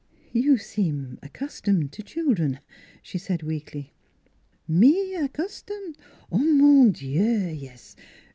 ' You seem accustomed to children," she said weakly. "Me accustom? Mon dieu yes!